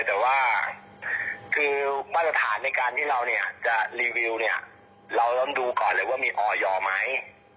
แต่ว่ามาตรฐานในการที่เราจะรีวิวเราร่วมดูก่อนเลยว่ามีออยอร์ไหม